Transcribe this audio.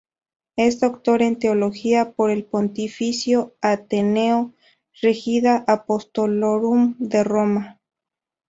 Es doctor en Teología por el Pontificio Ateneo Regina Apostolorum de Roma.